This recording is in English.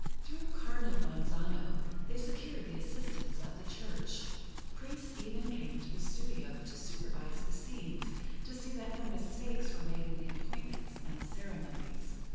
Through Cardinal Bonzano they secured the assistance of the Church. Priests even came to the studio, to supervise the scenes, to see that no mistakes were made in the appointments and ceremonies.